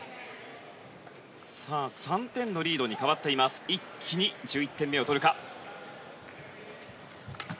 さあ、３点のリードに変わって一気に１１点目を取るか。